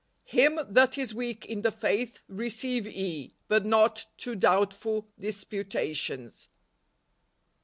" Him that is weak in the faith receive ye, but not to doubtful disputations."